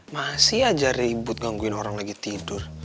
masih aja ribut gangguin orang lagi tidur